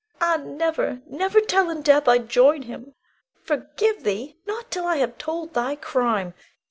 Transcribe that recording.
Ah, never, never, till in death I join him! Forgive thee? Not till I have told thy crime.